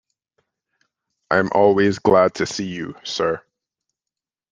I'm always glad to see you, sir.